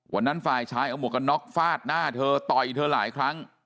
ฝ่ายชายเอาหมวกกันน็อกฟาดหน้าเธอต่อยเธอหลายครั้ง